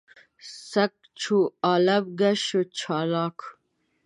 سګ چو عالم ګشت شد چالاک.